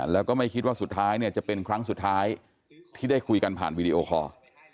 แล้วก็ไม่คิดว่าสุดท้ายเนี่ยจะเป็นครั้งสุดท้ายที่ได้คุยกันผ่านวีดีโอคอร์